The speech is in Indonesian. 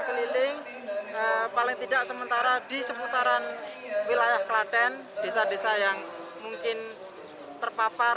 keliling paling tidak sementara di seputaran wilayah klaten desa desa yang mungkin terpapar